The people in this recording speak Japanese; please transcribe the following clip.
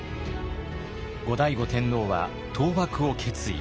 後醍醐天皇は倒幕を決意。